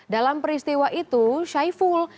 dalam peristiwa itu saiful